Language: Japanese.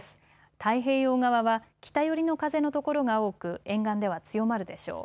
太平洋側は北寄りの風のところが多く沿岸では強まるでしょう。